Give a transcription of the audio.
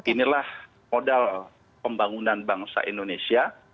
inilah modal pembangunan bangsa indonesia